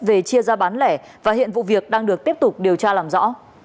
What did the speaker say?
về chia ra bán lẻ và hiện vụ việc đang được tiếp tục điều tra làm rõ